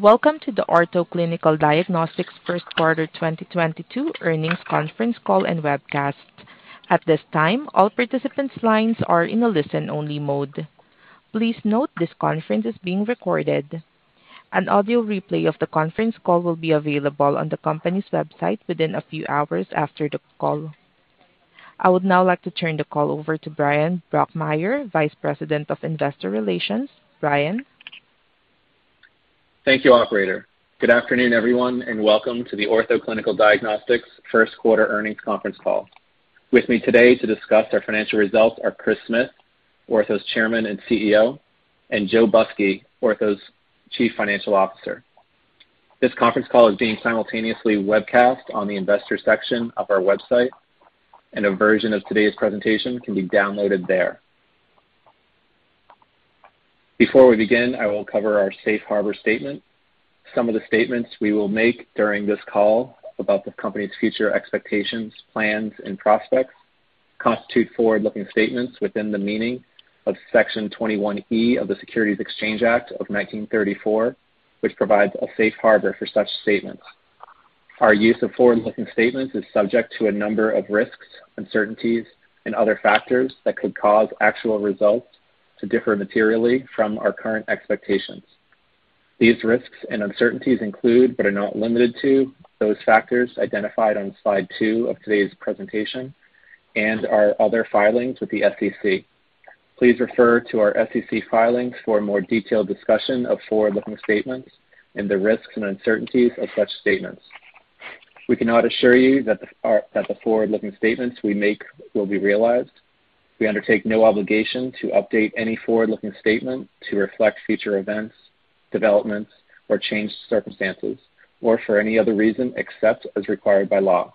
Welcome to the Ortho Clinical Diagnostics first quarter 2022 earnings conference call and webcast. At this time, all participants' lines are in a listen-only mode. Please note this conference is being recorded. An audio replay of the conference call will be available on the company's website within a few hours after the call. I would now like to turn the call over to Bryan Brokmeier, Vice President of Investor Relations. Bryan? Thank you, operator. Good afternoon, everyone, and welcome to the Ortho Clinical Diagnostics first quarter earnings conference call. With me today to discuss our financial results are Chris Smith, Ortho's Chairman and CEO, and Joe Busky, Ortho's Chief Financial Officer. This conference call is being simultaneously webcast on the investor section of our website, and a version of today's presentation can be downloaded there. Before we begin, I will cover our safe harbor statement. Some of the statements we will make during this call about the company's future expectations, plans, and prospects constitute forward-looking statements within the meaning of Section 21E of the Securities Exchange Act of 1934, which provides a safe harbor for such statements. Our use of forward-looking statements is subject to a number of risks, uncertainties, and other factors that could cause actual results to differ materially from our current expectations. These risks and uncertainties include, but are not limited to, those factors identified on slide two of today's presentation and our other filings with the SEC. Please refer to our SEC filings for a more detailed discussion of forward-looking statements and the risks and uncertainties of such statements. We cannot assure you that the forward-looking statements we make will be realized. We undertake no obligation to update any forward-looking statement to reflect future events, developments, or changed circumstances or for any other reason except as required by law.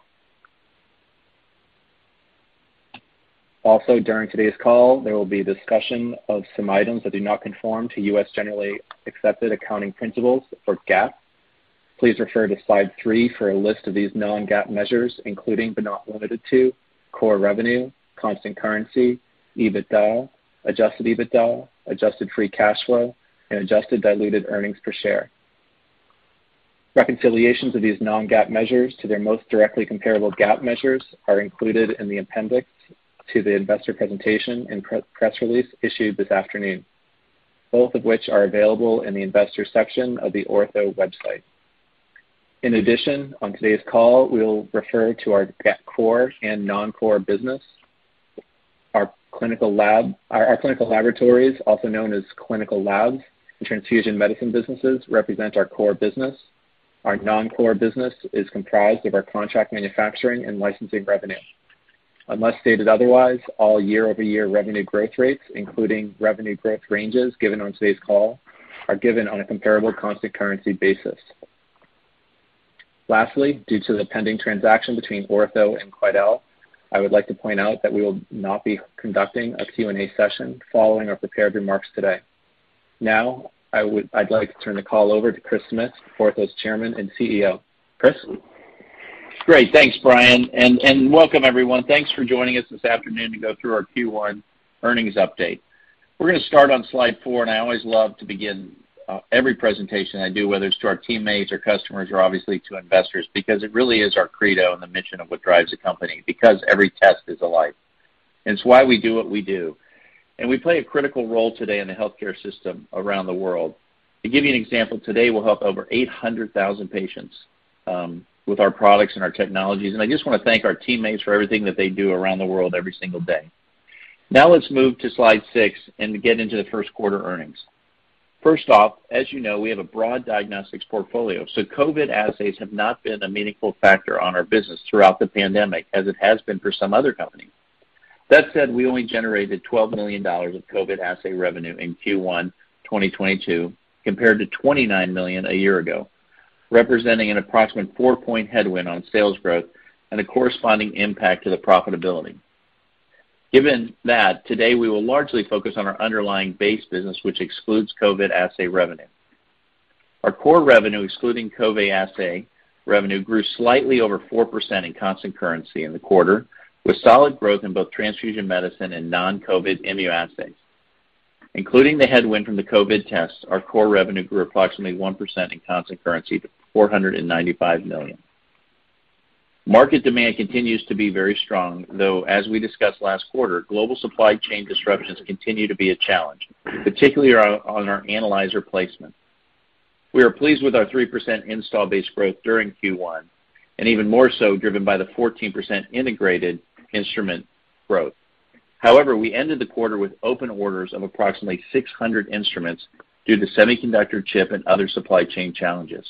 Also, during today's call, there will be discussion of some items that do not conform to U.S. generally accepted accounting principles or GAAP. Please refer to slide three for a list of these non-GAAP measures, including, but not limited to, core revenue, constant currency, EBITDA, adjusted EBITDA, adjusted free cash flow, and adjusted diluted earnings per share. Reconciliations of these non-GAAP measures to their most directly comparable GAAP measures are included in the appendix to the investor presentation and press release issued this afternoon, both of which are available in the investor section of the Ortho website. In addition, on today's call, we'll refer to our core and non-core business. Our clinical laboratories, also known as clinical labs and transfusion medicine businesses, represent our core business. Our non-core business is comprised of our contract manufacturing and licensing revenue. Unless stated otherwise, all year-over-year revenue growth rates, including revenue growth ranges given on today's call, are given on a comparable constant currency basis. Lastly, due to the pending transaction between Ortho and Quidel, I would like to point out that we will not be conducting a Q&A session following our prepared remarks today. I'd like to turn the call over to Chris Smith, Ortho's Chairman and CEO. Chris? Great. Thanks, Bryan, and welcome everyone. Thanks for joining us this afternoon to go through our Q1 earnings update. We're gonna start on slide four, and I always love to begin every presentation I do, whether it's to our teammates or customers or obviously to investors, because it really is our credo and the mission of what drives the company, because every test is a life, and it's why we do what we do. We play a critical role today in the healthcare system around the world. To give you an example, today we'll help over 800,000 patients with our products and our technologies. I just wanna thank our teammates for everything that they do around the world every single day. Now let's move to slide six and get into the first quarter earnings. First off, as you know, we have a broad diagnostics portfolio, so COVID assays have not been a meaningful factor on our business throughout the pandemic as it has been for some other companies. That said, we only generated $12 million of COVID assay revenue in Q1 2022 compared to $29 million a year ago, representing an approximate 4-point headwind on sales growth and a corresponding impact to the profitability. Given that, today we will largely focus on our underlying base business, which excludes COVID assay revenue. Our core revenue, excluding COVID assay revenue, grew slightly over 4% in constant currency in the quarter, with solid growth in both transfusion medicine and non-COVID immunoassay. Including the headwind from the COVID tests, our core revenue grew approximately 1% in constant currency to $495 million. Market demand continues to be very strong, though, as we discussed last quarter, global supply chain disruptions continue to be a challenge, particularly on our analyzer placement. We are pleased with our 3% installed base growth during Q1, and even more so driven by the 14% integrated instrument growth. However, we ended the quarter with open orders of approximately 600 instruments due to semiconductor chip and other supply chain challenges.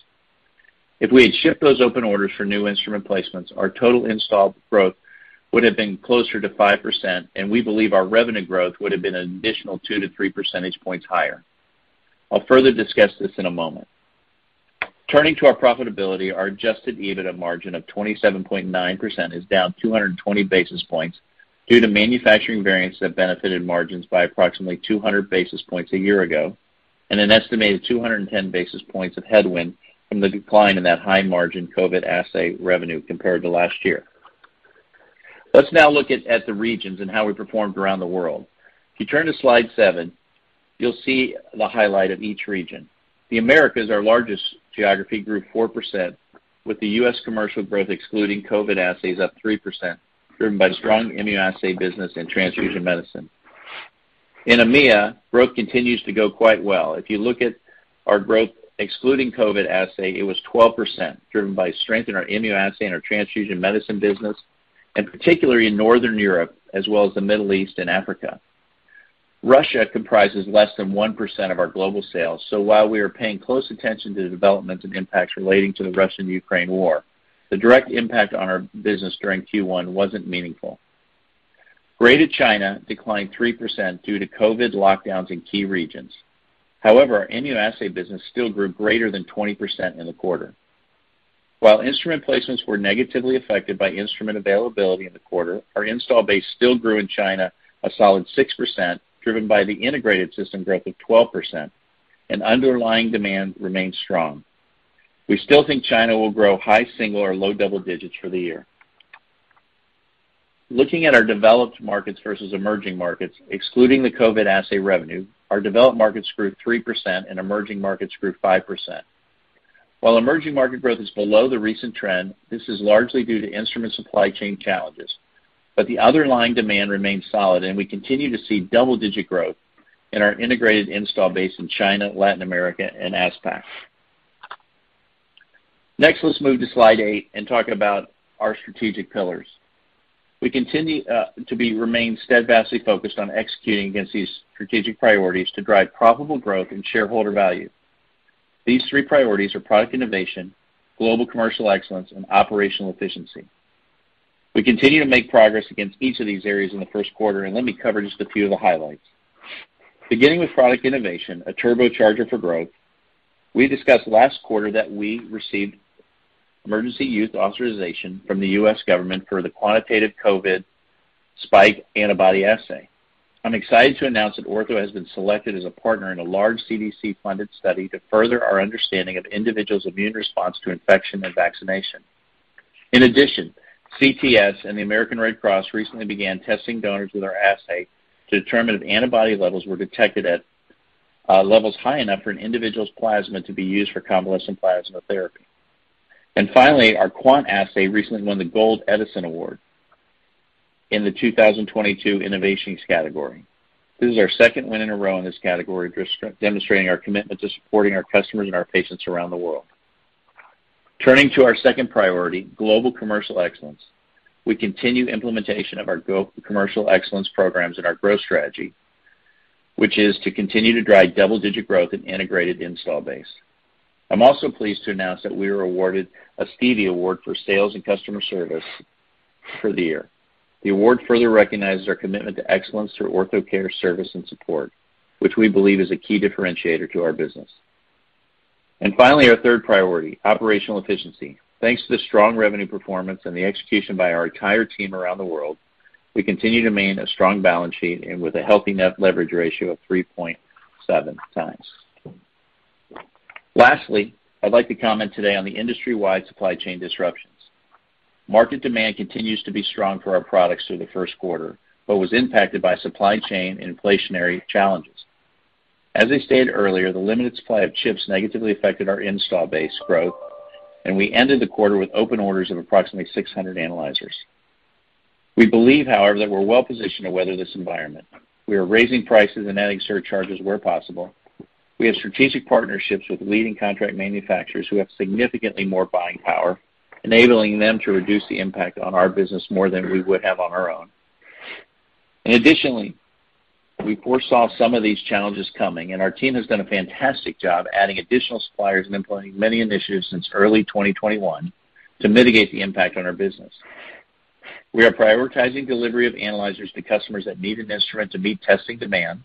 If we had shipped those open orders for new instrument placements, our total installed growth would have been closer to 5%, and we believe our revenue growth would have been an additional 2-3 percentage points higher. I'll further discuss this in a moment. Turning to our profitability, our adjusted EBITDA margin of 27.9% is down 220 basis points due to manufacturing variances that benefited margins by approximately 200 basis points a year ago, and an estimated 210 basis points of headwind from the decline in that high-margin COVID assay revenue compared to last year. Let's now look at the regions and how we performed around the world. If you turn to slide seven, you'll see the highlight of each region. The Americas, our largest geography, grew 4%, with the U.S. commercial growth excluding COVID assays up 3%, driven by strong immunoassay business and transfusion medicine. In EMEA, growth continues to go quite well. If you look at our growth excluding COVID assay, it was 12%, driven by strength in our immunoassay and our transfusion medicine business, and particularly in Northern Europe as well as the Middle East and Africa. Russia comprises less than 1% of our global sales, so while we are paying close attention to the developments and impacts relating to the Russian-Ukraine war, the direct impact on our business during Q1 wasn't meaningful. Greater China declined 3% due to COVID lockdowns in key regions. However, our immunoassay business still grew greater than 20% in the quarter. While instrument placements were negatively affected by instrument availability in the quarter, our install base still grew in China a solid 6%, driven by the integrated system growth of 12%, and underlying demand remained strong. We still think China will grow high single or low double digits for the year. Looking at our developed markets versus emerging markets, excluding the COVID assay revenue, our developed markets grew 3% and emerging markets grew 5%. While emerging market growth is below the recent trend, this is largely due to instrument supply chain challenges. The underlying demand remains solid, and we continue to see double-digit growth in our integrated install base in China, Latin America, and ASPAC. Next, let's move to slide eight and talk about our strategic pillars. We continue to remain steadfastly focused on executing against these strategic priorities to drive profitable growth and shareholder value. These three priorities are product innovation, global commercial excellence, and operational efficiency. We continue to make progress against each of these areas in the first quarter, and let me cover just a few of the highlights. Beginning with product innovation, a turbocharger for growth, we discussed last quarter that we received Emergency Use Authorization from the U.S. government for the quantitative COVID spike antibody assay. I'm excited to announce that Ortho has been selected as a partner in a large CDC-funded study to further our understanding of individuals' immune response to infection and vaccination. In addition, CTS and the American Red Cross recently began testing donors with our assay to determine if antibody levels were detected at levels high enough for an individual's plasma to be used for convalescent plasma therapy. Finally, our quant assay recently won the Gold Edison Award in the 2022 innovation category. This is our second win in a row in this category, just demonstrating our commitment to supporting our customers and our patients around the world. Turning to our second priority, global commercial excellence, we continue implementation of our go commercial excellence programs and our growth strategy, which is to continue to drive double-digit growth in integrated install base. I'm also pleased to announce that we were awarded a Stevie Award for sales and customer service for the year. The award further recognizes our commitment to excellence through Ortho Care service and support, which we believe is a key differentiator to our business. Finally, our third priority, operational efficiency. Thanks to the strong revenue performance and the execution by our entire team around the world, we continue to maintain a strong balance sheet and with a healthy net leverage ratio of 3.7x. Lastly, I'd like to comment today on the industry-wide supply chain disruptions. Market demand continues to be strong for our products through the first quarter, but was impacted by supply chain and inflationary challenges. As I stated earlier, the limited supply of chips negatively affected our installed base growth, and we ended the quarter with open orders of approximately 600 analyzers. We believe, however, that we're well positioned to weather this environment. We are raising prices and adding surcharges where possible. We have strategic partnerships with leading contract manufacturers who have significantly more buying power, enabling them to reduce the impact on our business more than we would have on our own. Additionally, we foresaw some of these challenges coming, and our team has done a fantastic job adding additional suppliers and implementing many initiatives since early 2021 to mitigate the impact on our business. We are prioritizing delivery of analyzers to customers that need an instrument to meet testing demand,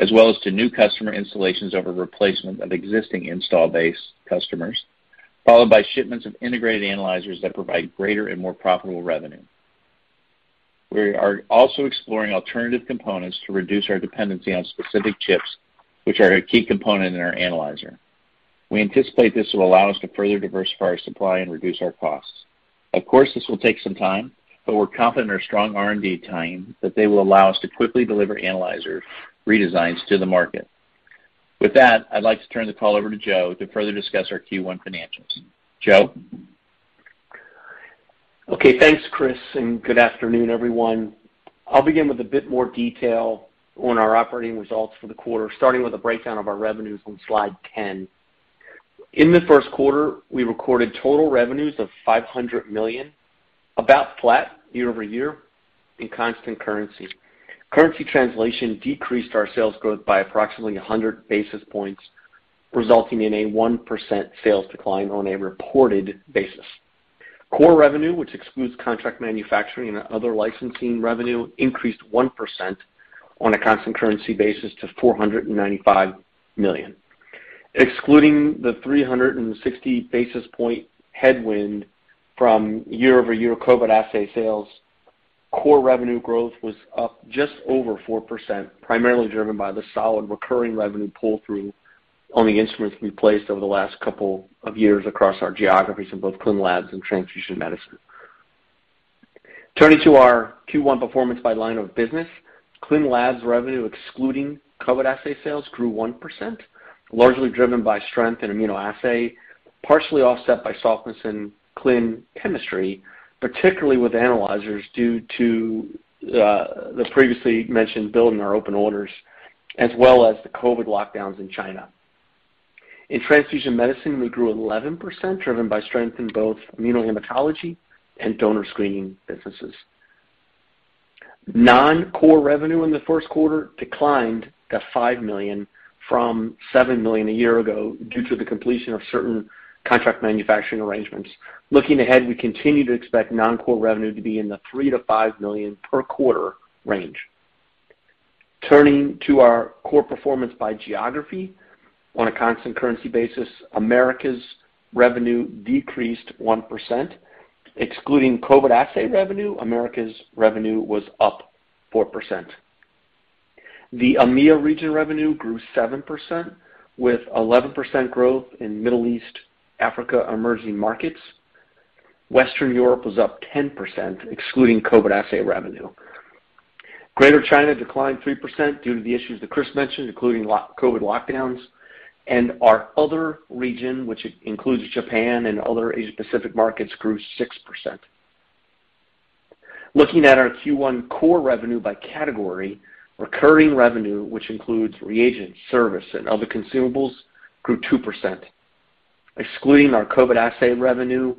as well as to new customer installations over replacement of existing installed base customers, followed by shipments of integrated analyzers that provide greater and more profitable revenue. We are also exploring alternative components to reduce our dependency on specific chips, which are a key component in our analyzer. We anticipate this will allow us to further diversify our supply and reduce our costs. Of course, this will take some time, but we're confident in our strong R&D team that they will allow us to quickly deliver analyzer redesigns to the market. With that, I'd like to turn the call over to Joe to further discuss our Q1 financials. Joe? Okay, thanks, Chris, and good afternoon, everyone. I'll begin with a bit more detail on our operating results for the quarter, starting with a breakdown of our revenues on slide 10. In the first quarter, we recorded total revenues of $500 million, about flat year over year in constant currency. Currency translation decreased our sales growth by approximately 100 basis points, resulting in a 1% sales decline on a reported basis. Core revenue, which excludes contract manufacturing and other licensing revenue, increased 1% on a constant currency basis to $495 million. Excluding the 360 basis point headwind from year-over-year COVID assay sales, core revenue growth was up just over 4%, primarily driven by the solid recurring revenue pull-through. On the instruments we placed over the last couple of years across our geographies in both clin labs and transfusion medicine. Turning to our Q1 performance by line of business, clin labs revenue excluding COVID assay sales grew 1%, largely driven by strength in immunoassay, partially offset by softness in clin chemistry, particularly with analyzers due to the previously mentioned build in our open orders, as well as the COVID lockdowns in China. In transfusion medicine, we grew 11%, driven by strength in both immunohematology and donor screening businesses. Non-core revenue in the first quarter declined to $5 million from $7 million a year ago due to the completion of certain contract manufacturing arrangements. Looking ahead, we continue to expect non-core revenue to be in the $3 million-$5 million per quarter range. Turning to our core performance by geography on a constant currency basis, America's revenue decreased 1%. Excluding COVID assay revenue, America's revenue was up 4%. The EMEIA region revenue grew 7%, with 11% growth in Middle East, Africa, emerging markets. Western Europe was up 10%, excluding COVID assay revenue. Greater China declined 3% due to the issues that Chris mentioned, including low-COVID lockdowns. Our other region, which includes Japan and other Asia Pacific markets, grew 6%. Looking at our Q1 core revenue by category, recurring revenue, which includes reagents, service, and other consumables, grew 2%. Excluding our COVID assay revenue,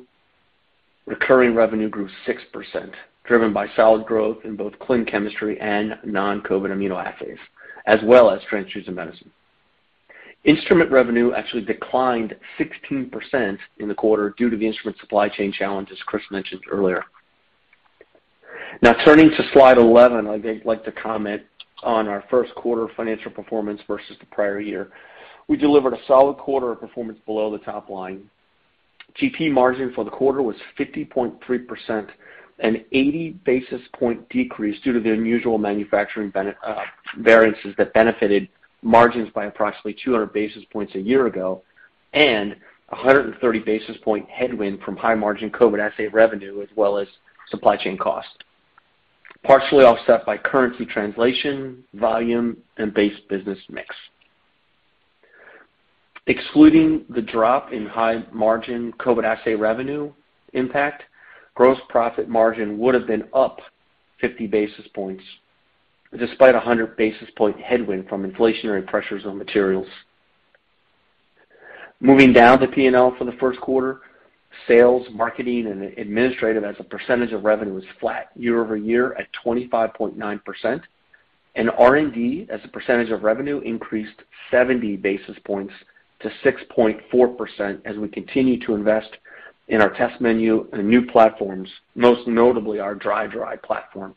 recurring revenue grew 6%, driven by solid growth in both clin chemistry and non-COVID immunoassays, as well as transfusion medicine. Instrument revenue actually declined 16% in the quarter due to the instrument supply chain challenge, as Chris mentioned earlier. Now turning to slide 11, I'd like to comment on our first quarter financial performance versus the prior year. We delivered a solid quarter of performance below the top line. GP margin for the quarter was 50.3%, an 80 basis point decrease due to the unusual manufacturing variances that benefited margins by approximately 200 basis points a year ago and a 130 basis point headwind from high-margin COVID assay revenue as well as supply chain costs, partially offset by currency translation, volume, and base business mix. Excluding the drop in high-margin COVID assay revenue impact, gross profit margin would have been up 50 basis points, despite 100 basis point headwind from inflationary pressures on materials. Moving down the P&L for the first quarter, sales, marketing, and administrative as a percentage of revenue was flat year-over-year at 25.9%, and R&D as a percentage of revenue increased 70 basis points to 6.4% as we continue to invest in our test menu and new platforms, most notably our dry slide platform.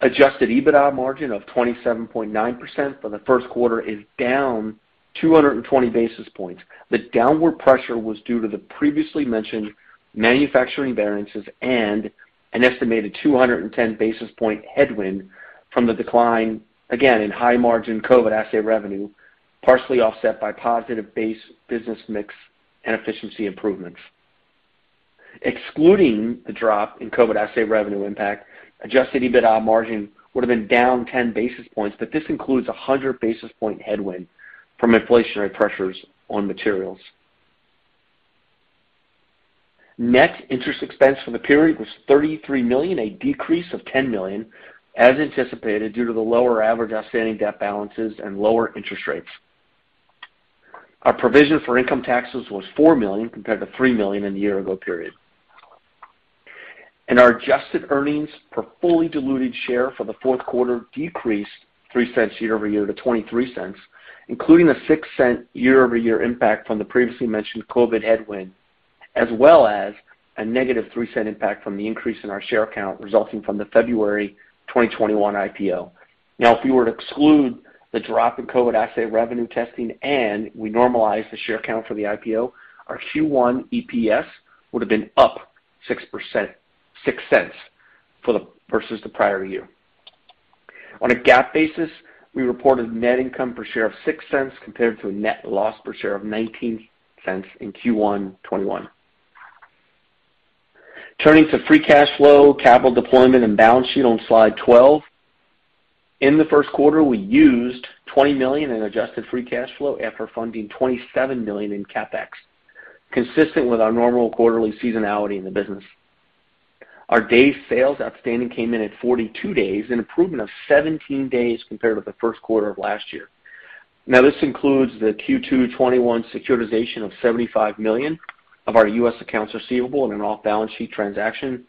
Adjusted EBITDA margin of 27.9% for the first quarter is down 220 basis points. The downward pressure was due to the previously mentioned manufacturing variances and an estimated 210 basis point headwind from the decline, again, in high-margin COVID assay revenue, partially offset by positive base business mix and efficiency improvements. Excluding the drop in COVID assay revenue impact, adjusted EBITDA margin would have been down 10 basis points, but this includes 100 basis point headwind from inflationary pressures on materials. Net interest expense for the period was $33 million, a decrease of $10 million, as anticipated due to the lower average outstanding debt balances and lower interest rates. Our provision for income taxes was $4 million compared to $3 million in the year ago period. Our adjusted earnings per fully diluted share for the fourth quarter decreased $0.03 year-over-year to $0.23, including a $0.06 year-over-year impact from the previously mentioned COVID headwind, as well as a -$0.03 impact from the increase in our share count resulting from the February 2021 IPO. If we were to exclude the drop in COVID assay revenue testing and we normalize the share count for the IPO, our Q1 EPS would have been up 6%, $0.06 for the, versus the prior year. On a GAAP basis, we reported net income per share of $0.06 compared to a net loss per share of $0.19 in Q1 2021. Turning to free cash flow, capital deployment, and balance sheet on slide 12. In the first quarter, we used $20 million in adjusted free cash flow after funding $27 million in CapEx, consistent with our normal quarterly seasonality in the business. Our day sales outstanding came in at 42 days, an improvement of 17 days compared with the first quarter of last year. Now, this includes the Q2 2021 securitization of $75 million of our U.S. accounts receivable in an off-balance sheet transaction,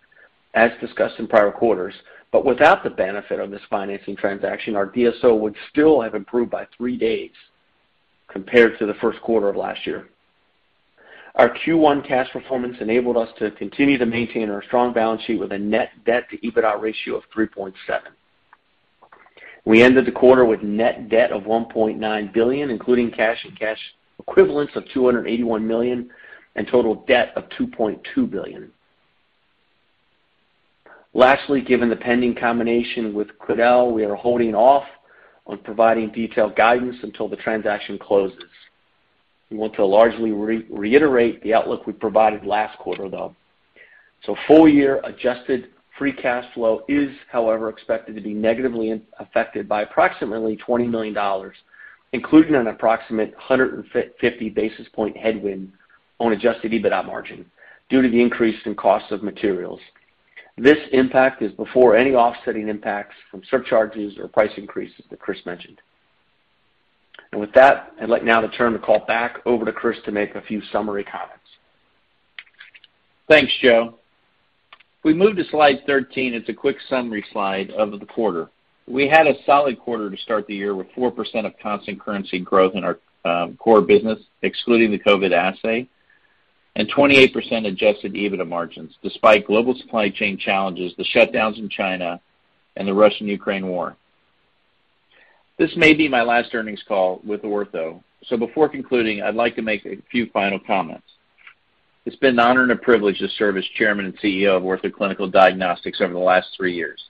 as discussed in prior quarters. Without the benefit of this financing transaction, our DSO would still have improved by three days compared to the first quarter of last year. Our Q1 cash performance enabled us to continue to maintain our strong balance sheet with a net debt to EBITDA ratio of 3.7. We ended the quarter with net debt of $1.9 billion, including cash and cash equivalents of $281 million and total debt of $2.2 billion. Lastly, given the pending combination with Quidel, we are holding off on providing detailed guidance until the transaction closes. We want to largely reiterate the outlook we provided last quarter, though. Full-year adjusted free cash flow is, however, expected to be negatively affected by approximately $20 million, including an approximate 150 basis point headwind on adjusted EBITDA margin due to the increase in cost of materials. This impact is before any offsetting impacts from surcharges or price increases that Chris mentioned. With that, I'd like now to turn the call back over to Chris to make a few summary comments. Thanks, Joe. If we move to slide 13, it's a quick summary slide of the quarter. We had a solid quarter to start the year with 4% constant currency growth in our core business, excluding the COVID assay, and 28% adjusted EBITDA margins despite global supply chain challenges, the shutdowns in China, and the Russia-Ukraine war. This may be my last earnings call with Ortho, so before concluding, I'd like to make a few final comments. It's been an honor and a privilege to serve as chairman and CEO of Ortho Clinical Diagnostics over the last three years.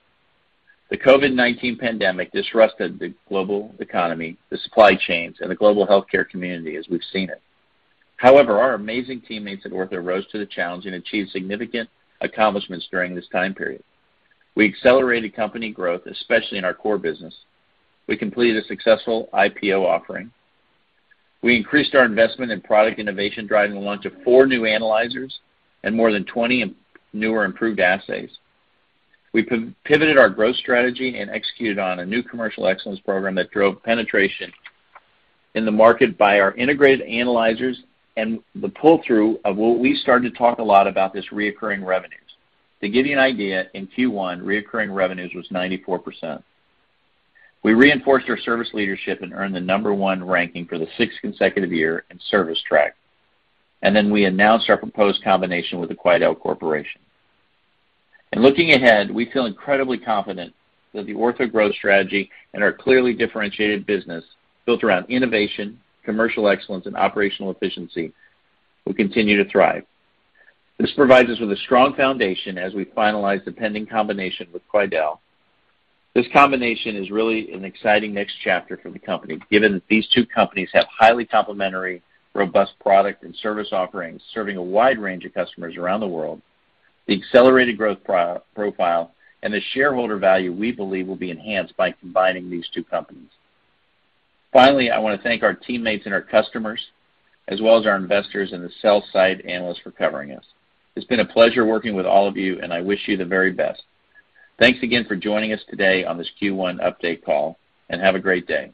The COVID-19 pandemic disrupted the global economy, the supply chains, and the global healthcare community as we've seen it. However, our amazing teammates at Ortho rose to the challenge and achieved significant accomplishments during this time period. We accelerated company growth, especially in our core business. We completed a successful IPO offering. We increased our investment in product innovation, driving the launch of four new analyzers and more than 20 new or improved assays. We pivoted our growth strategy and executed on a new commercial excellence program that drove penetration in the market by our integrated analyzers and the pull-through of what we started to talk a lot about, this recurring revenues. To give you an idea, in Q1, recurring revenues was 94%. We reinforced our service leadership and earned the number one ranking for the sixth consecutive year in ServiceTrak. We announced our proposed combination with the Quidel Corporation. In looking ahead, we feel incredibly confident that the Ortho growth strategy and our clearly differentiated business built around innovation, commercial excellence, and operational efficiency will continue to thrive. This provides us with a strong foundation as we finalize the pending combination with Quidel. This combination is really an exciting next chapter for the company, given that these two companies have highly complementary, robust product and service offerings, serving a wide range of customers around the world, the accelerated growth profile, and the shareholder value we believe will be enhanced by combining these two companies. Finally, I wanna thank our teammates and our customers, as well as our investors and the sell-side analysts for covering us. It's been a pleasure working with all of you, and I wish you the very best. Thanks again for joining us today on this Q1 update call, and have a great day.